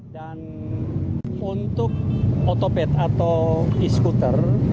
dan untuk otopet atau skuter